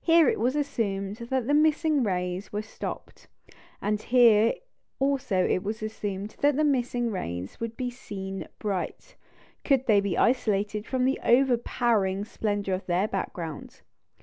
Here it was assumed that the missing rays were stopped, and here also it was assumed that the missing rays would be seen bright, could they be isolated from the overpowering splendour of their background.